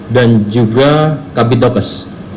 dan juga kabitokas